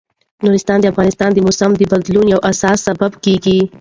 نورستان د افغانستان د موسم د بدلون یو اساسي سبب کېږي.